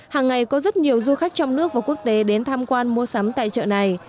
hàng ngày có rất nhiều du khách trong nước và quốc tế đến tham quan mua sắm tại chợ này